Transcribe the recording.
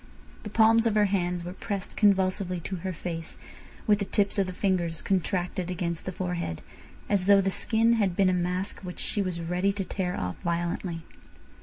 The palms of her hands were pressed convulsively to her face, with the tips of the fingers contracted against the forehead, as though the skin had been a mask which she was ready to tear off violently.